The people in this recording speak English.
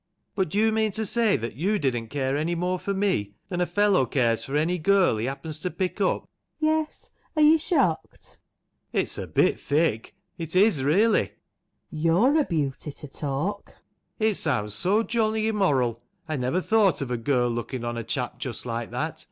But do you mean to say that you didn't care any more for me than a fellow cares for any girl he happens to pick up ? FANNY. Yes. Are you shocked ? ALAN. It's a bit thick ; it is really ! FANNY. You're a beauty to talk ! ALAN. It sounds so jolly immoral. I never thought of a girl looking on a chap just like that